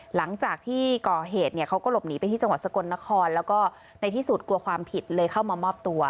หลังจากที่ก่อเหตุเนี่ยเขาก็หลบหนีไปที่จังหวัดสกลนครแล้วก็ในที่สุดกลัวความผิดเลยเข้ามามอบตัว